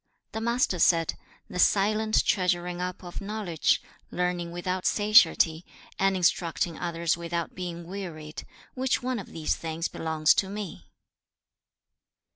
The Master said, 'The silent treasuring up of knowledge; learning without satiety; and instructing others without being wearied: which one of these things belongs to me?'